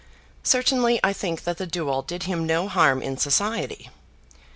Certainly I think that the duel did him no harm in society.